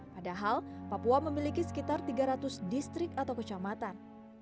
padahal papua memiliki sekitar tiga ratus distrik atau kecamatan